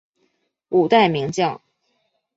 五代名将。